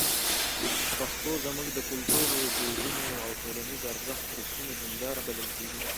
پښتو زموږ د کلتور، دودونو او ټولنیزو ارزښتونو رښتینې هنداره بلل کېږي.